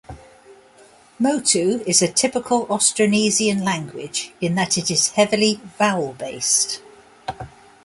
Motu is a typical Austronesian language in that it is heavily vowel-based.